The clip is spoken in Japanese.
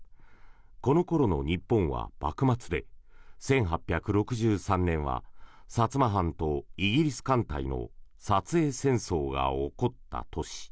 この頃の日本は幕末で１８６３年は薩摩藩とイギリス艦隊の薩英戦争が起こった年。